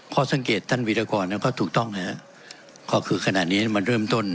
ข้อสังเกตท่านวิรากรนั้นก็ถูกต้องฮะก็คือขณะนี้มันเริ่มต้น